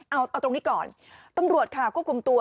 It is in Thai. เอาตรงนี้ก่อนตำรวจค่ะควบคุมตัว